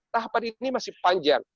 tahapan ini masih panjang